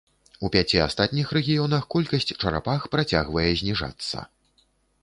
У пяці астатніх рэгіёнах колькасць чарапах працягвае зніжацца.